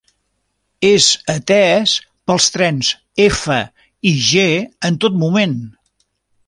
És atès pels trens F i G en tot moment.